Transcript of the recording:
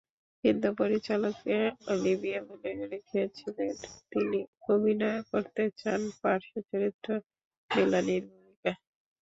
কিন্তু পরিচালককে অলিভিয়া বলে রেখেছিলেন, তিনি অভিনয় করতে চান পার্শ্বচরিত্র মেলানির ভূমিকায়।